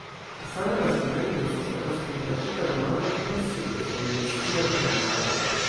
Same la studento suferas dum la tuta romano pro la sekvoj de sia kreaĵo.